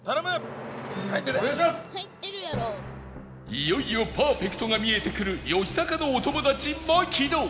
いよいよパーフェクトが見えてくる吉高のお友達槙野